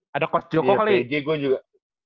ya p j gue juga